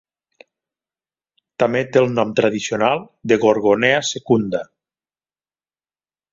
També té el nom tradicional de Gorgonea Secunda.